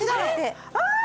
ああ！